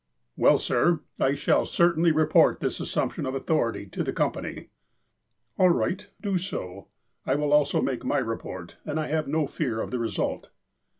"Well, sir, I shall certainly report this assumption of authority to the Company." "All right, do so. I will also make my report, and I have no fear of the result."